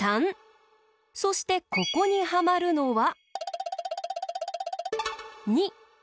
そしてここにはまるのは２。